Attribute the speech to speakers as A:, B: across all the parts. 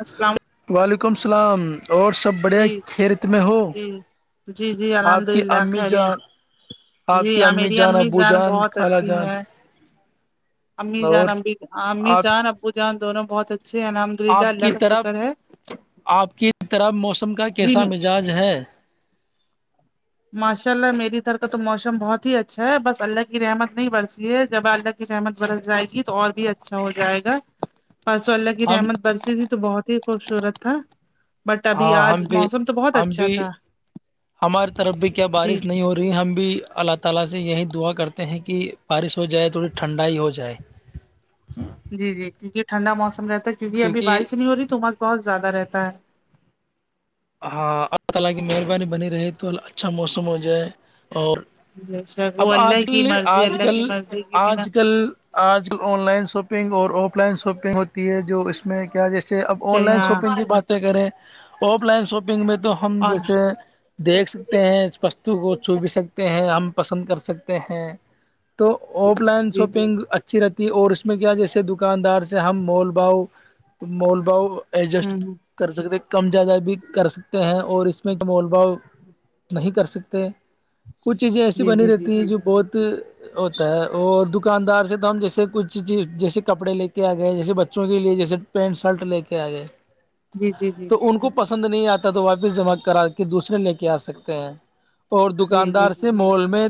A: السلام
B: وعلیکم السلام اور سب بڑھیا
A: جی
B: کھیت میں ہو
A: جی جی جی الحمد
B: آپ کی
A: للہ
B: امی جان
A: خیریت
B: آپ
A: جی
B: کی امی
A: میری
B: جان ابو جان
A: بہت
B: کالا
A: اچھی
B: جان
A: ہیں امی جان
B: اور
A: امی امی
B: آپ
A: جان ابو جان دونوں بہت اچھے ہیں نام
B: آپ کی طرف آپ کی طرف موسم کا
A: جی
B: کیسا مزاج ہے
A: ماشاء اللہ میری تھھر کا تو موسم بہت ہی اچھا ہے بس اللہ کی رحمت نہیں برسی ہے جب اللہ کی رحمت بڑھ جائے گی تو اور بھی اچھا ہو جائے گا پرسو اللہ کی
B: ہم
A: رحمت برسی تھی تو بہت ہی خوبصورت تھا بٹ ابھی
B: ہاں ہم
A: آج
B: بھی
A: موسم تو بہت
B: ہم
A: اچھا
B: بھی
A: تھا
B: ہماری طرف بھی کیا
A: جی
B: بارش نہیں ہوئی اور ہم بھی اللہ تعالی سے یہی دعا کرتے ہیں کہ بارش ہو جائے تھوڑی ٹھنڈائی ہو جائے
A: جی جی کیونک ٹھنڈا موسم رہتا ہے کیونک ابھی
B: کیونکہ
A: بارش نہیں ہو رہی تو مس بہت زیادہ رہتا ہے
B: ہاں اللہ تعالی کی مہربانی بنی رہے تو ال اچھا موسم ہو جائے اور
A: ہے شک وہ
B: اب
A: اللہ
B: آج
A: کی
B: کل
A: مرضی
B: آج
A: اللہ
B: کل
A: کی مرضی کی بنا
B: آج کل آج ک آن لائن شاپنگ اور آف لائن شاپنگ ہوتی ہے جو اس میں کیا اب آن
A: چل
B: لائن
A: ہاں
B: شاپنگ کی باتیں کریں آف لائن شاپنگ میں تو ہم
A: اور
B: جیسے دیکھ سکتے ہیں پشتو کو چوب سکتے ہیں ہم پسند کر سکتے ہیں تو آف لائن
A: جی جی
B: شاپنگ اچھ اچھی رہتی اور اس میں کیا جیسے دکاندار سے ہم مول باؤ مول باؤ ایڈجسٹ
A: ہوں ہ
B: کر سکتے کم زیادہ بھی کر سکتے ہیں اور اس میں مول باؤ
A: ہچ
B: کر سکتے ہیں کچھ چیزیں ایسی
A: جی
B: بنی
A: جی جی
B: رہتی ہیں
A: جی
B: جو بہت ہوتا ہے اور دکاندار سے تو ہم جیسے کچھ چیز جیسے کپڑے لے کے آ گئے ہیں جیسے بچوں کے لیے جیسے پینٹ شرٹ لے کے آ جائے
A: جی جی جی
B: ان کو پسند نہیں آتا تو واپس جمع کرا کے دوسرے لے کے آ سکتے ہیں اور
A: جی جی
B: دکاندار
A: جی
B: سے مال میں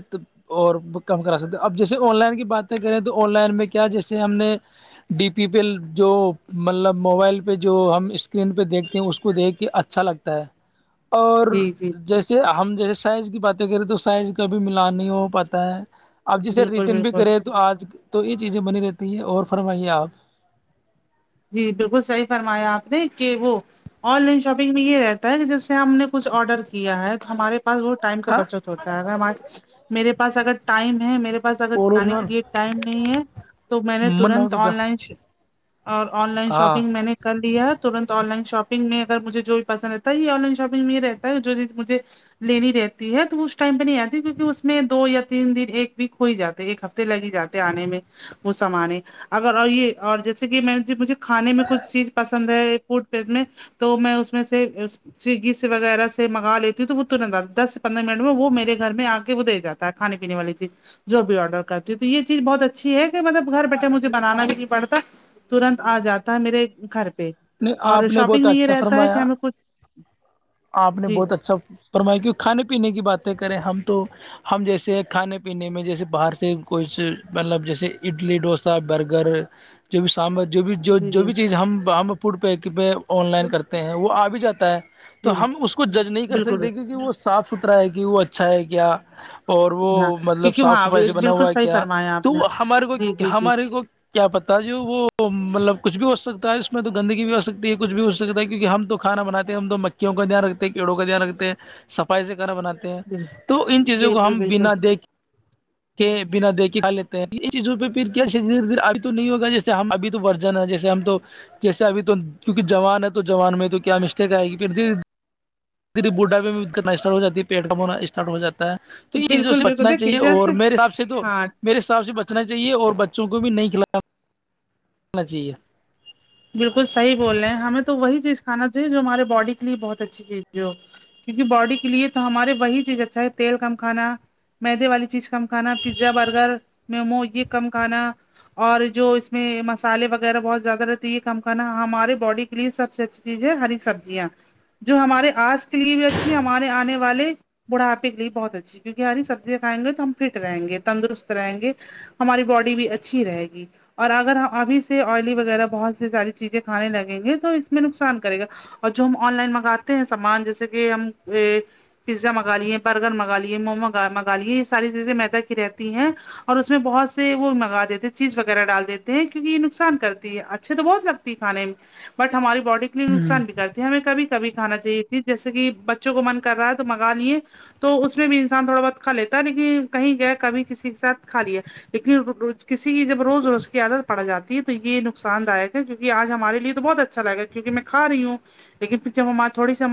B: اور کم کرا سکتے اب جیسے آن لائن کی باتیں کریں تو آن لائن میں کیا جیسے ہم نے ڈی پی پیل جو مطلب موبائل پہ جو ہم اسکرین پہ دیکھتے ہیں اس کو دیکھ کہ اچھا لگتا ہے اور
A: جی جی
B: جیسے ہم جیسے سائز کی باتیں کریں تو سائز کابھی ملان نہیں ہو پاتا ہے آپ جسے
A: بالکل
B: ریٹرن بھی
A: بالکل
B: کرے تو آج تو یہ چیزیں بنی رہتی ہے اور فرمائیے آپ
A: جی بالکل صحیح فرمایا آپ نے کہ وہ آن لائن شاپنگ میں یہ رہتا ہے کہ جیسے ہم نے کچھ آرڈر کیا ہے تو ہمارے پاس وہ ٹائم کا
B: ہاں
A: بچت ہوتا ہے ا میرے پاس اگر ٹائم ہے میرےا پاس اگر
B: کو
A: جانے کے لیے ٹائم نہیں ہے تو میں نے
B: من ہو
A: ترنت
B: تو جا
A: آن لائن اور آن لائن
B: ہاں
A: شاپنگ میں نے کر لیا ترنت آن لائن شاپنگ میں اگر مجھے جو بھی پسند رہتا ہے یہ آن لائن شاپنگ میں یہ رہتا ہے جو مجھے لینی رہتی ہے تو اس ٹائم پہ نہیں آتی کیونکہ اس میں دو یا تین دن ایک ویک ہو ہی جاتا ہے ایک ہفتے لگی جاتے آنے میں وہ سمانے اگر اور یہ اور جیسے کہ میں مجھے کھانے میں کچھ چیز پسند ہے فوڈ تو میں اس میں سے سویگی سے وغیرہ سے منگا لیتی تو وہ ترنت دس سے پندرہ منٹ میں وہ میرے گھر میں آ کے وہ دے جات کھے پینے والی چیز جو بھی آڈر کرتی ہ تو یہ چیز بہت اچھی ہے کہ مطلب گھر بیٹھے مجھے بنانا بھی نہیں پڑتا ترنت آ جاتا ہے میرے گھر پہ
B: نہیں
A: اور
B: آپ نے
A: شاپنگ
B: بہت
A: میں یہ
B: اچھا
A: رہتا ہے کہ
B: فرمایا
A: ہمیں کچھ
B: آپ نے
A: جی
B: بہت اچھا فرمایا کی کھانے پینے کی باتیں کریں ہم تو ہم جیسے کھانے پینے میں جیسے باہر سے کوئی مطلب جیسے اڈلی ڈوس برگر جو بھی سامبر جو بھی جو
A: جی
B: جو
A: جی
B: بھی چیز ہم ہم فوڈ پہ پہ آن لائن کرتے ہیں وہ آ بھی جاتا ہے تو
A: جی جی
B: ہم اس کو جج نہیں کر
A: بالکل
B: سکتے کیونکہ وہ صاف ست رہا ہے کہ وہ اچھا ہے کیا اور وہ
A: ہاں
B: مطلب
A: کیونکہ
B: صاف
A: وہاں
B: صفائی سے بنا
A: بالکل
B: ہوا ہے
A: صحیح
B: کیا
A: فرمایا آپ
B: تو
A: نے
B: ہمارے کو
A: جی جی جی
B: ہمارے کو کیا پتتا ہے جو وہ مطلب کچھ بھی ہو سکتا ہے اس میں تو گندگی بھی ہو سکتی ہے کچھ بھی ہو سکتا ہے کیونکہ ہم تو کھانا بناتے ہم تو مکھیوں کا دھیان رکھتے ہیں کیڑوں کا دھیان رکھتے ہیں صفائی سے کرا بناتے ہیں تو ان چیزوں کو
A: بالکل بالکل
B: ہم
A: بالکل
B: بنا دیکھ کے بنا دے کے کھ لیتے ہیں یہ چیزوں پہ پھر کیا دھیر دھیرے ابھی تو نہیں ہوگ جیسے ہم ابھی تو ورژن ہے جیسے ہم تو جیسے اب تو کیونک جووان ہے تو جوان میں تو کیا مسٹیک آئے گی پھر د ی بڈا میںنا اسٹ ہو جاتی پیڑ کام ہونا اسٹ ہو جات ہے تو ان چیزوں
A: بالکل
B: سے
A: بالکل
B: بچنا
A: دیکھیے
B: چاہیے اور
A: جیسے
B: میرے حساب سے تو
A: ہاں
B: میرے حساب سے بچنا چاہیے اور بچوں کو بھی نہیں کھلاناانا چاہیے
A: بالکل صح بول رہے ہیں ہمیں تو وہی چیز کھانااہے جو ہمارے باڈی کے لیے بہت اچھی چیز تھی ہو کیونکہ باڈی کے لیے تو ہمارے وہی چیز اچھا ہے تیل کم کھانا مدے والی چیز ک کھانا پیزا برگر میمو یہ کم کھانا اور جو اس میں مسالے وغیرہ بہت زیادہ یہ کم کرنا ہمارے باڈی کے لیے سب سے اچھی چیز ہے ہری سبزیاں جو ہمارے آج کے لیے بھی اچھی ہمارے آنے والے بڑھپ کے لیے بہت اچھی کیونکیاری سبزیاں کھائیں گے تو ہم فٹیں گے تندرست رہیں گے ہماری باڈی بھی اچھی رہے گی اور اگر ابھی سے آئلی وغیرہ بہت ساری چیزیں کھانے لگیں گے تو اس میں نقصان کرے گا اور جو ہم آن لائن منگاتے ہیں سامان جیسے کہ ہم ا پیزا منگا لیے برگر مگا لیے مومو مگا لیے یہ ساری چیزیں مید ہی رہتی ہیں اور اس میں بہت سے وہ منگا دیتے ہیں چیز وغیرہ ڈال دیتے ہیں کیک یہ نقصان کرتی ہے اچھا اچ تو بہت لگتی ہے کھانے میں بٹ ہماری باڈی کے لیے نقصان بگ کر ہمیں کبھی کبھی کھانا چاہیے تھی جیسے کہ بچوں کو من کر رہا ہے تو منگا لیے تو اس میں بھی انسان تھوڑا بہت کھا لیتا ہے لیکن کہیں گیا کبھی کسی کے سھ کھا لیا لیکن کسی کی جب روز رو اس کی عادت پڑ جاتی ہے تو یہ نقصان پسد آک ہے کیونک آج ہمارے تو بہت اچھاگا ہے کیونک میں کا رہی ہوں لیکن پھر جب ہم تھوڑی سی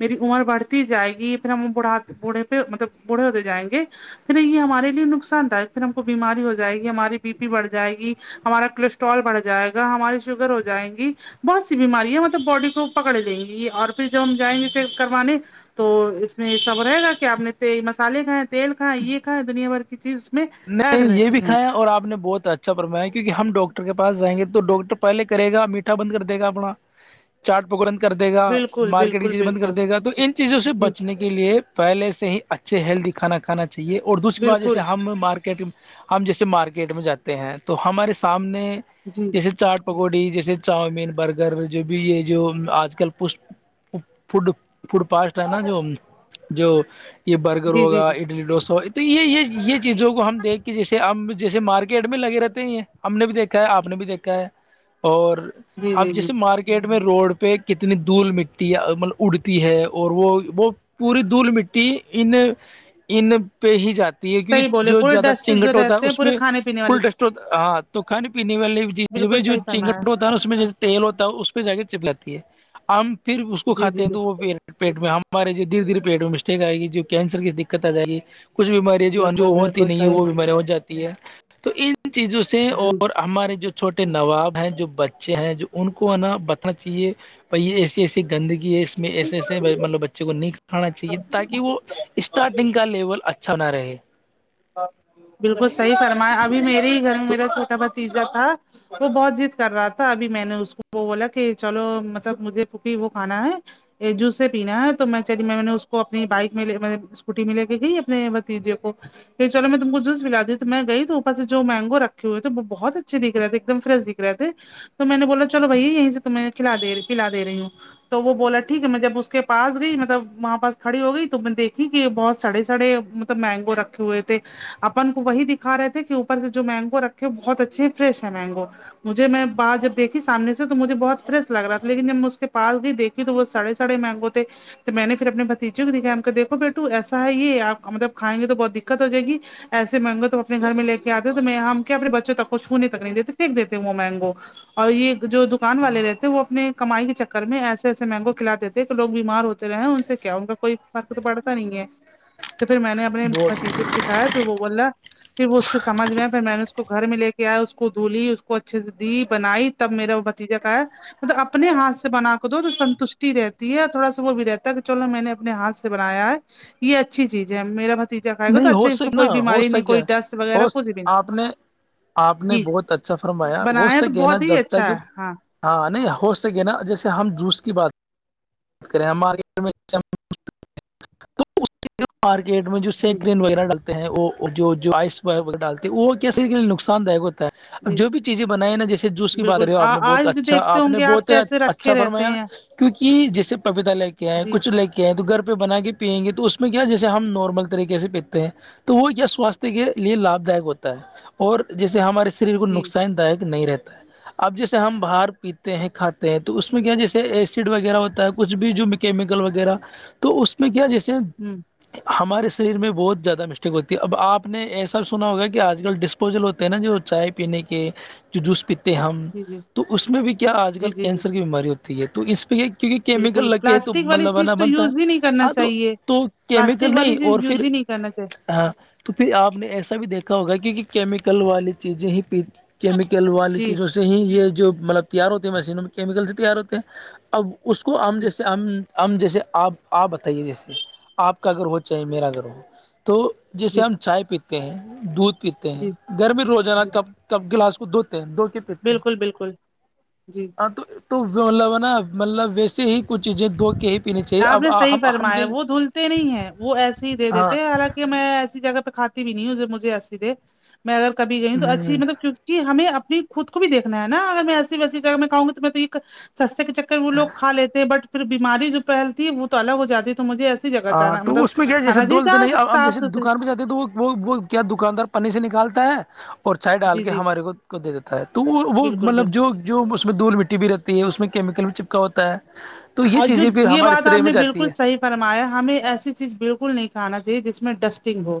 A: میری عمر بڑھتی جائے گی پھر ہم بڑھات بوڑھے پہ مطلب بوڑھے ہوتے جائیں گے پھر یہ ہمارے نقصان داک پھر ہم کو بیماری ہو جائے گی ہماری بی پی بڑھ جائے گی ہمارا کولیسٹرول بڑھ جائے گا ہماری شوگر ہو جائے گی بہت سی بیماری ہے مطلب باڈی کو پکڑ لیں گی اور پھر جب ہم جائیں گے چیک کروانے تو اس میں سب رہے گا کہ آپ نے مسالے کھیں تیل کھ یہ کھیں دنیا بھر کی چیز اس میں ایڈ
B: نہیں یہ بھی
A: رہتی ہے
B: کھایا اور آپ نے بہت اچھا اچھا پررم ہے کیک ہم ڈاکٹر کے پس جائیں گ تو ڈاکٹر پہلے کر گا میٹھا بند کر د گا اپنا چاٹ پکوڑ بند کر دے گا
A: بالکل
B: مارکیٹ کی
A: بالکل
B: چیزیں بند کر
A: بالکل
B: دے گا تو ان چیزوں سے
A: جی
B: بچنے کے لیے پہلے سے ہی اچھے ہیلدی کھانا کھانا چاہی اور دوسری بات جیسے
A: بالکل
B: ہم مارکیٹ ہم جیسے مارکیٹ میں جاتے ہیں تو ہمارے سامنے
A: جی
B: جیسے چاٹ پکوڑی جیسے چاؤمین برگر جو بھی یہ جو آج کل پش وہ فڈ فوڈ پاسٹ ہے نا جو جو یہ برگر
A: جی جی جی
B: ہوگا اڈلی ڈوسا ہو تو یہ یہ یہ چیزوں کو ہم دیکھ کے جیسے ہم جیسے مارکیٹ میں لگے رہتے ہیں ہم نے بھی دیکھا ہے آپ نے بھی دیکھا ہے اور
A: جی
B: اب
A: جی جی
B: جیسے مارکی گیٹ میں روڈ پہ کتنی دھول مٹی ہے مطلب اڑتی ہے اور وہ وہ پوری دھول مٹی انن ان پہ ہی جاتی ہے کیکہ
A: صحیح بولے
B: جو
A: پورے
B: زیادہ
A: ڈسٹ جو
B: چیننگٹ ہوتا
A: رہتے
B: ہے
A: ہیں
B: اس
A: پورے
B: میں
A: کھانے پینے والی
B: فل ڈسٹ ہوتا ہاں تو کھانے پینے والی چیز
A: بالکل
B: بھی جو
A: صحیح فرمایا
B: چگٹ ہوتا ہے نا اس میں تیل ہوتا ہے اس پہ جا کے چپلاتی ہے ہم پھر اس کو
A: جی
B: کھاتے
A: جی
B: ہیں
A: جی
B: تو وہ پیٹ میں ہمارے جو دھیر دھیرے پہٹ مسٹیک آئےی جو کینسر کی دقت آ جائےی کچھ بیمارییاں جو انجو
A: بالکل
B: ہوتی
A: بالکل
B: نہیں ہے
A: صحیح
B: وہ بیمارییاں ہو جاتی ہے تو ان چیزوں سے
A: جی
B: اور ہمارے جو چھوٹے نواب ہیں جو بچے ہیں جو ان کو ہے نا بچنا چاہیے یہ ایسیے ایسی گندگی ہے اس میں ایسے ایسے مطلب بچے کو نہیں کھانا چاہیے تاکہ وہ اسٹارٹنگ کا لیول اچھا نہ رہے
A: بالکل صحی فرمایا ابھی میرے ہی گھر میں
B: تو
A: میرا چھوٹا بھتیجا تھا وہ بہت جضد کر رہا تھا ابھی میں نے اس کو وہ بولا کہ چلو مطلب مجھے پپی وہ کھانا ہے جوس سے پینا ہے تو میں چلی میں نے اس کو اپنی بائک میںے اسکوٹی میں لے کے گئی اپنے بتیجے کو کہ چلو میں تم کو جو جسلا دی ہ تو میں گئی تو اوپر سے جو مینگو رکھے ہوئے تھے بہت اچھے دکھ رہے ایکم فریش دکھ رہ تھے تو میں نے بولا چلو بھیا یہیں سے تمہ کھلاے پلا دے رہی ہوں تو وہ بولا ٹھیک ہے میں جب اس کے پاس گئی مطلب وہاں پس کھڑی ہو گئی تو میں دیکھی کہ بہت سڑے سڑے مہگو رکھے ہوئے- اپن کو وہی دکھا رہے تھے کہ اوپر سے جو مینگو رکھے ہو بہت اچھے ہیں فریش ہے مینگو- مجھے میں باہ جب دیکھی سامنے سے تو مجھے بہت فریش لگ رہا تھا لیکن جب میں اس کے پا گئی دیکھی- کہ د وہ سڑے سڑے مینگو تھ- تو میں نے پھر اپنے بتیجے کو دکھایا ہم کہ دھو بیٹو ایسا ہے یہ آ مطلب کھائیں گے تو بہت دقت جائے گی- ایسے مہنگو تو اپنے گھر میں لے کے آتے تو میں ہم کیا اپنے بچوں تک کو چھونے تک نہیں دیتے پھینک دیتے وہ مہنگو- اور یہ جو دکان والے رہتے وہ اپنے کمائی کے چکر میں ایسے ایسے مہنگو کھلااتے تھے کہ لوگ بیمار ہوتے رہے ان سے کیا ان کا کوئی- م کو تو پڑتا نہیں ہے تو پھر میں نے اپنے
B: بہت
A: بھتیجے کو دکھایا تو وہ بوللا- پھر وہ اس کے سمجھ میں آئے پھر میں نے اس کو گھر میں لے کے آیا اس کو دھولی اس کو اچھے سے دی بنائی- تب میرا وہ بتیجا کا ہے- مطلب اپنے ہاتھ سے بنا کو دو تو سنتوشٹی رہتی ہے اور تھوڑا سا وہ بھی رہتا ہے کہ چلو میں نے اپنے ہاتھ سے بنایا ہے یہ اچھی چیز ہے میرا بھتیجا کھائے گا تو
B: نہیں
A: اچھا
B: ہو
A: اس میں
B: سک نا,
A: کوئی
B: ہو
A: بیماری نہیں
B: سکے
A: کوئی ڈسٹ
B: ہو
A: وغیرہ کچھ بھی نہیں
B: آپ نے- آپ نے
A: جی
B: بہت اچھا فرمایا وہ اس
A: بنایا
B: سے
A: تو
B: کہنا
A: بہت ہی
B: جب
A: اچھا
B: تک-
A: ہے ہاں
B: ہاں نہیں ہو سکے نا جیسے ہم جوس کی بات بات کریں ہمارے- تو مارکیٹ میں جو
A: جی
B: سیکرین وغیرہ ڈالتے- ہیں وہ جو آئس ڈالتے ہیں وہ کیسے نقصان داک ہوتا- اب
A: جی
B: جو بھی چیزیں بنائی ہیں نا جیسے جوس کی بات
A: بالکل
B: کری ہو آپ نے بہت
A: آج بھی
B: اچھا
A: دیکھتے
B: آپ
A: ہوں
B: نے
A: گے
B: بہت
A: کیسے
B: اچھا
A: رکھے رہتے
B: فرمایا
A: ہیں
B: کیونکہ جیسے پپیتا لے کےئے
A: جی
B: کچھ لے کےئے تو گھر پہ بنا کے پیئیں گے تو اس میں- اس میں کیا جیسے ہم نارمل طریقے سے پیتے ہیں تو وہ کیا سواستھ کے لیے لابھ دائک ہوتا ہے- اور جیسے ہمارے شریر کو
A: جی
B: نقصان داک نہیں رہتا ہے- اب جیسے ہم باہر پیتے ہیں کھاتے ہیں تو اس میں کیا جیسے ایسڈ وغیرہ ہوتا ہے کچھ بھی جو- کیمیکل وغیرہ تو اس میں کیا جیسے-
A: ہمم-
B: ہمارے شریر میں بہت زیادہ مسٹیک ہوتی ہے اب آپ نے ایسا سنا ہوگا کہ آج کل ڈسپ- پوجل ہوتے ہیں نا جو چائے پینے کے- جو جوس پیتے ہیں ہم
A: جی جی
B: تو اس میں بھی کیا آج کل
A: جی جی جی
B: کینسر کی بیماری ہوتی ہے تو اس پہ یہ- کیونکہ کیمیکل
A: بالکل
B: لگتے ہے تو
A: پلاسٹک والی
B: ملہبانا
A: چیز تو
B: بنتا
A: یوز ہی نہیں
B: ہے
A: کرنا
B: ہ تو
A: چاہیے
B: تو
A: پلاسٹک
B: کیمیکل
A: والی
B: نہیں اور
A: چیز یوز
B: پھر-
A: ہی نہیں کرنا چاہیے
B: ہاں تو پھر آپ نے ایسا بھی دیکھا ہوگا کیونکہ کیمیکل والی چیزیں ہیی کیمیکل والی
A: جی
B: چیزوں سے ہی یہ جو مطلب تیار ہوتے ہیں مشینوں میں کیمیکل سے تیار ہوتے ہیں اب- اس کو ہم
A: جی
B: جیسے ہم ہم جیسے آپ آپ بتائیے جیسے آپ کا گھر ہو چاہے میرا گھر ہو تو جیسے
A: جی
B: ہم چائے پیتے ہیں دودھ پیتے ہیں
A: جی
B: گرمی روزانہ
A: جی
B: کپ- کپ گلاس کو دھوتے ہیں دو کے- تے ہیں
A: بالکل بالکل جی
B: ہ تو- تولہنا مطلب ویسے ہی کچھ چیزیں دھو کے- پینی چاہیے
A: آپ
B: اب
A: نے صحیح
B: ہم ہم کے
A: فرمایا وہ دھول نہیں ہے وہ ایسے ہی دے
B: ہاں
A: دیتے حالانکہ میں ایسی جگہ پہ کھاتی بھی نہیں ہوں مجھے ایسیے دے- میں اگر کب گئی ہ تو اچھی مطلب- کہ ہمیں اپنی خود کو بھی دیکھنا ہے نا اگر میں ایسی ویسی اگر میں کہوں گی تو میں تو- سستے کے چکر وہ لو کھا لیتے ہیں بٹ پھر بیماری جو پہلتی ہے وہ تو الگ ہو جاتی تو مجے
B: ہاں تو اس میں کیا جیے دول تو نہیں اب
A: صاف
B: جیسے دکان
A: ستھری
B: پہ جاتا- تو وہ- وہ- وہ کیا دکاندار پنی سے نکالتا ہے اور چائے ڈال
A: جی
B: کے
A: جی
B: ہمارے کو- کو دے دیتا ہے تو وہ وہ
A: بالکل
B: مطلب
A: بالکل
B: جو- جو اس میں دھول مٹی بھی رہتی ہے اس میں کیمیکل بھی چپکا ہوتا ہے- تو یہ
A: اور جو
B: چیزیں پھر
A: یہ
B: ہمارے
A: بات
B: سرے
A: آپ
B: میں
A: نے
B: جاتی
A: بالکل
B: ہیں
A: صحیح فرمایا ہمیں ایسی چیز بالکل نہیں کھانا چاہیے جس میں ڈسٹنگ ہو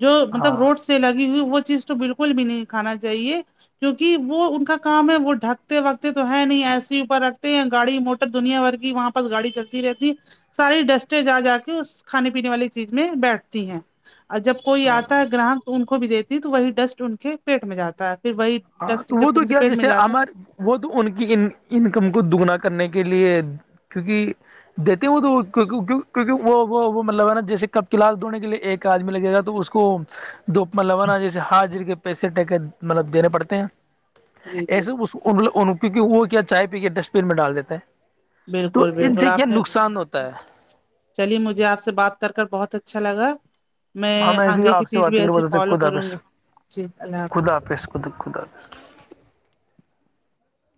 A: جو
B: ہاں
A: مطلب روڈ سے سے لگی ہوئی وہ چیز تو بالکل بھی نہیں کھانا چاہیے- کیونکہ وہ ان کا کام ہے وہ ڈھکتے وگتے تو ہے نہیں ایسے اوپر رکھتے ہیں یا گاڑی موٹر دنیا بھر کے- وہاں پر گاڑی چلتی رہتی ساری ڈسٹےج آ جا کے اس کھانے پینے والی چیز میں بیٹھتی ہیں اور جب کوئی آتا ہے گراہک تو ان کو بھی دیتی تو وہی ڈسٹ ان کے پیٹ میں جاتا ہے پھر وہی
B: ہاں
A: ڈسٹ
B: تو
A: جب
B: وہ تو
A: ان کے
B: کیا
A: پیٹ میں
B: جیسے
A: جاتا ہے۔
B: ہمار وہ تو ان کی انکم کو دگنا کرنے کے لیے کیونکہ دیتی ہوں تو کیکہ وہ مطلب ہے نا جیسے کب کلاس دھونے کے لیے ایک کاج میں لگے گا تو اس کو دووپما لوانا جیسے حاجر کے پیسے ٹکے مطلب دینے پڑتے ہیں
A: جی جی
B: ایسے اس کیکہ وہ کیا چائے پی کے ڈسٹبین میں ڈال دیتے ہیں تو
A: بالکل
B: ان
A: بالکل
B: سے کیا
A: آپ نے
B: نقصان ہوتا تو
A: چلیے مجھے آپ سے بات کر کر بہت اچھا لگا میں
B: ہمیں بھی
A: آگے کی
B: آپ سے
A: چیز
B: بات
A: بھی
B: کر
A: ایسی
B: بتاتے
A: فالو
B: خدا
A: کروں
B: حافظ
A: گی جی اللہ
B: خدا
A: حافظ
B: خدا خدا